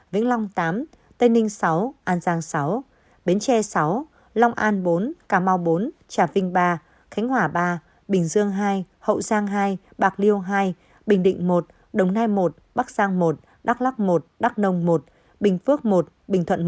vĩnh long tám tây ninh sáu an giang sáu bến tre sáu long an bốn cà mau bốn trà vinh ba khánh hòa ba bình dương hai hậu giang hai bạc liêu hai bình định một đồng nai một bắc giang một đắk lắc một đắk nông một bình phước một bình thuận một